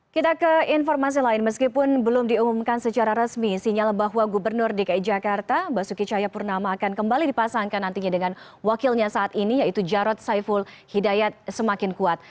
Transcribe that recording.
kita ke informasi lain meskipun belum diumumkan secara resmi sinyal bahwa gubernur dki jakarta basuki cahayapurnama akan kembali dipasangkan nantinya dengan wakilnya saat ini yaitu jarod saiful hidayat semakin kuat